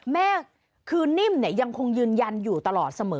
แม่คือนิ่มเนี่ยยังคงยืนยันอยู่ตลอดเสมอ